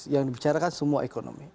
yang dibicarakan semua ekonomi